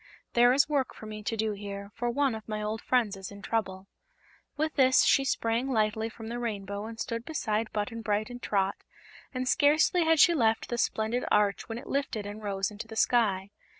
"There is work for me to do here, for one of my old friends is in trouble." With this she sprang lightly from the rainbow and stood beside Button Bright and Trot, and scarcely had she left the splendid arch when it lifted and rose into the sky.